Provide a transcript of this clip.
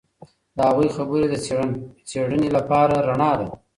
د هغوی خبري د څېړنيلپاره رڼا ده.